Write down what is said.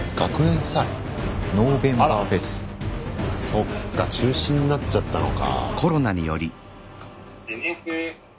そっか中止になっちゃったのか。